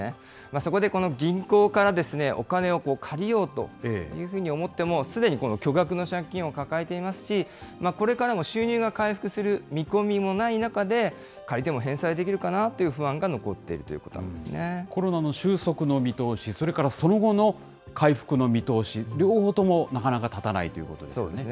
そこでこの銀行からお金を借りようというふうに思っても、すでに巨額の借金を抱えていますし、これからも収入が回復する見込みもない中で、借りても返済できるかなという不安が残っているということなんでコロナの収束の見通し、それからその後の回復の見通し、両方ともなかなか立たないということそうですね。